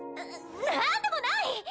何でもない！